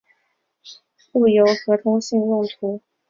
这在路由和通信用途的电子设备中尤为常见。